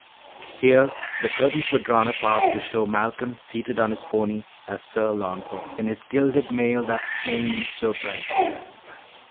Here the curtains were drawn apart to show Malcolm seated on his pony as Sir Launfal, "in his gilded mail that flamed so bright."